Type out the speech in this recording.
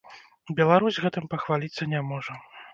Беларусь гэтым пахваліцца не можа.